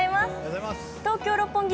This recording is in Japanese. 東京・六本木